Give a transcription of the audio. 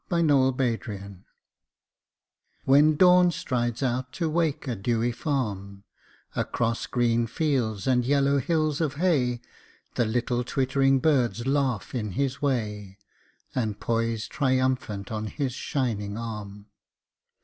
Alarm Clocks When Dawn strides out to wake a dewy farm Across green fields and yellow hills of hay The little twittering birds laugh in his way And poise triumphant on his shining arm.